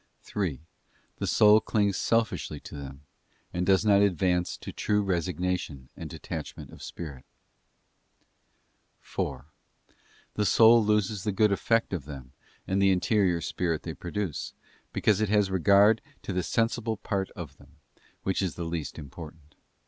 3. The soul clings selfishly to them, and does not advance to true resignation and detachment of spirit. 4. The soul loses the good effect of them and the interior spirit they produce, because it has regard to the sensible part of them, which is the least important.